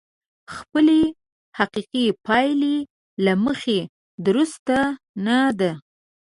خپلې حقيقي پايلې له مخې درسته نه ده.